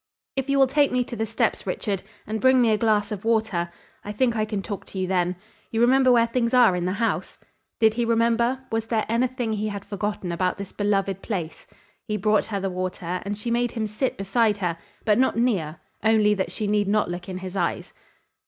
"If you will take me to the steps, Richard, and bring me a glass of water, I think I can talk to you then. You remember where things are in this house?" Did he remember? Was there anything he had forgotten about this beloved place? He brought her the water and she made him sit beside her, but not near, only that she need not look in his eyes.